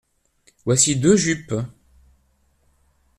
Voici deux jupes.